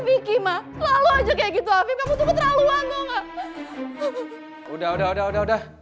vicky ma selalu aja kayak gitu afif kamu tuh keterlaluan tau gak udah udah udah udah udah